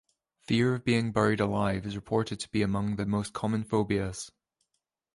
Fear of being buried alive is reported to be among the most common phobias.